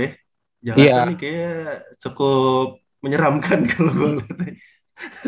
jangan jangan kayaknya cukup menyeramkan kalau gue ngeliatnya